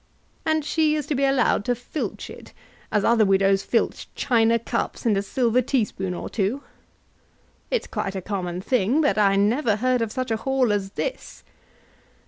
And she is to be allowed to filch it, as other widows filch china cups, and a silver teaspoon or two! It's quite a common thing, but I never heard of such a haul as this."